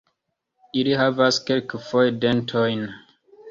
Ili havas kelkfoje dentojn.